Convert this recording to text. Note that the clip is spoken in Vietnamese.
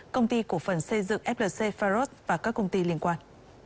công ty cổ phần xây dựng flc faros và các công ty liên quan